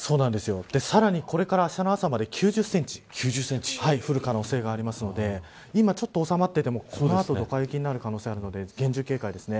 さらに、これからあしたの朝まで９０センチ降る可能性があるので今ちょっと収まっていてもこの後、ドカ雪になる可能性があるので、厳重警戒です。